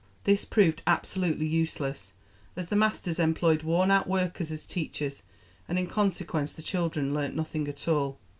This proved absolutely useless, as the masters employed worn out workers as teachers, and in consequence the children learnt nothing at all.